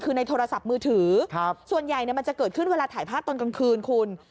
คือในโทรศัพท์มือถือส่วนใหญ่มันจะเกิดขึ้นเวลาถ่ายภาพตอนกลางคืนคุณ